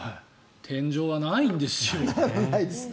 天井はないんですよ。